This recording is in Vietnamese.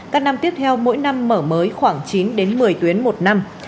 các năm tiếp theo mỗi năm mở mới khoảng chín đến một mươi tuyến một năm